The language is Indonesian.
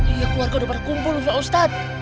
iya keluarga udah berkumpul pak ustadz